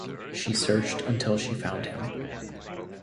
She searched until she found him.